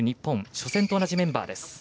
初戦と同じメンバーです。